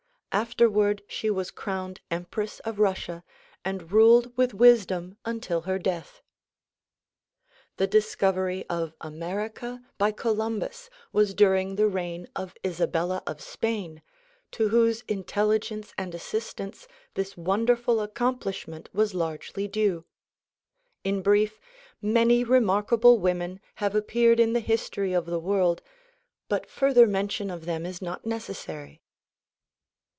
After ward she was crowned empress of Russia and ruled with wisdom until her death. The discovery of America by Columbus was during the reign of Isabella of Spain to whose intelligence and assistance this won derful accomplishment was largely due. In brief, many remarkable women have appeared in the history of the world but further men tion of them is not necessary.